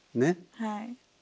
はい。